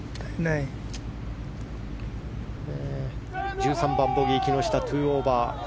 １３番ボギー木下、２オーバー。